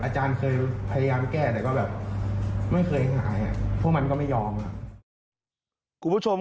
อาจารย์เคยพยายามแก้ไม่เคยลายพวกมันก็ไม่ยอมคุณผู้ชม